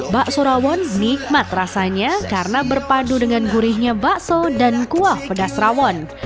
bakso rawon nikmat rasanya karena berpadu dengan gurihnya bakso dan kuah pedas rawon